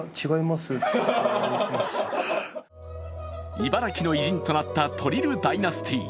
茨城の偉人となったトリル・ダイナスティ。